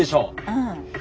うん。